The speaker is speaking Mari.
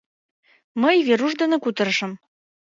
Мый Веруш дене кутырышым.